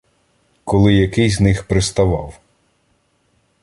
Коли який з них приставав.